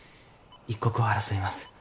一刻を争います。